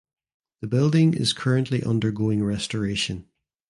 The building is currently undergoing restoration.